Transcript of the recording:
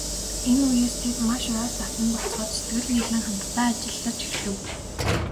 Энэ үеэс тэд маш ойр дотно болцгоож, сэтгэл нийлэн хамтдаа ажиллаж эхлэв.